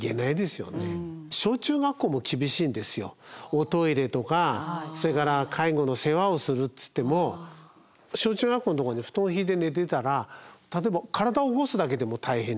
おトイレとかそれから介護の世話をするといっても小中学校のとこに布団敷いて寝てたら例えば体起こすだけでも大変ですよね。